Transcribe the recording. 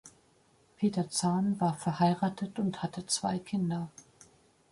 Peter Zahn war verheiratet und hatte zwei Kinder.